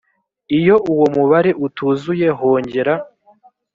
iyo uwo mubare utuzuye hongera